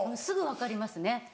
すぐ分かりますね。